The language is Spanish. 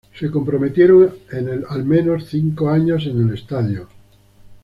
Se comprometieron en al menos cinco años en el estadio.